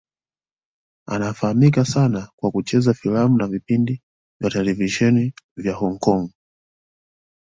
Anafahamika sana kwa kucheza filamu na vipindi vya televisheni vya Hong Kong.